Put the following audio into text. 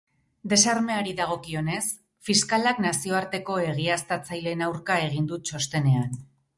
Desarmeari dagokionez, fiskalak nazioarteko egiaztatzaileen aurka egin du txostenean.